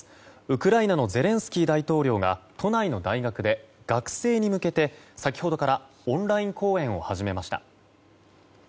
ウクライナのゼレンスキー大統領が都内の大学で学生に向けて先ほどからオンライン講演を始めました。